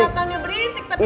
emang kecatannya berisik tapi